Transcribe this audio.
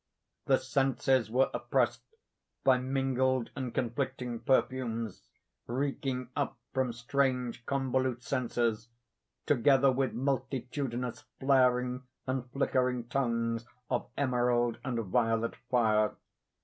The senses were oppressed by mingled and conflicting perfumes, reeking up from strange convolute censers, together with multitudinous flaring and flickering tongues of emerald and violet fire.